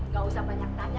gak usah banyak tanya